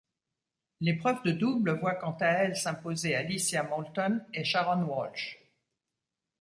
L'épreuve de double voit quant à elle s'imposer Alycia Moulton et Sharon Walsh.